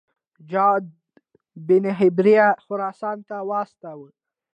جعده بن هبیره خراسان ته واستاوه.